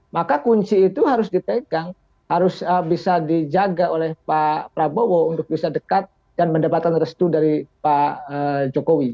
maka kunci itu harus dipegang harus bisa dijaga oleh pak prabowo untuk bisa dekat dan mendapatkan restu dari pak jokowi